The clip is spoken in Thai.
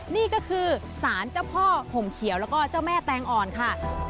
นี่ก็คือสารเจ้าพ่อห่มเขียวแล้วก็เจ้าแม่แตงอ่อนค่ะ